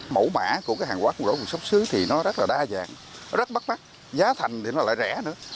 mẫu mã của cái hàng quá không rõ nguồn xuất xứ thì nó rất là đa dạng rất bắt bắt giá thành thì nó lại rẻ nữa